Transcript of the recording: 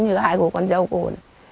như hai của con dâu cô này